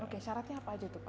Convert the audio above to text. oke syaratnya apa aja tuh pak